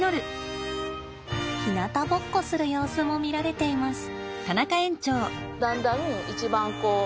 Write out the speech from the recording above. ひなたぼっこする様子も見られています。